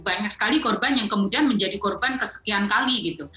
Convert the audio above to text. banyak sekali korban yang kemudian menjadi korban kesekian kali gitu